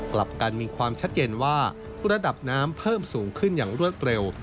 กลับกันมีความชัดเจนว่าระดับน้ำเพิ่มสูงขึ้นอย่างรวดเร็ว